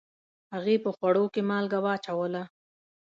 هغې په خوړو کې مالګه واچوله